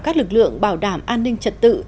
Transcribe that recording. các lực lượng bảo đảm an ninh trật tự